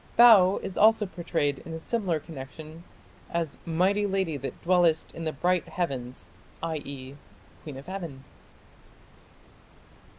Bau is also prayed in a similar connection as "mighty lady that dwellest in the bright heavens", i.e. "Queen of heaven".